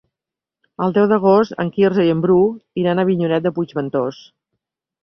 El deu d'agost en Quirze i en Bru iran a Avinyonet de Puigventós.